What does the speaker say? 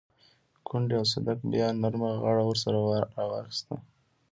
کونډې او صدک بيا نرمه غاړه ورسره راواخيسته.